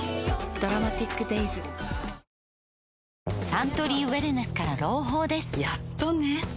サントリーウエルネスから朗報ですやっとね